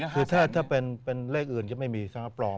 คือถ้าเป็นเลขอื่นจะไม่มีสาระปลอม